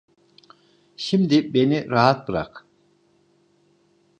Şimdi beni rahat bırak.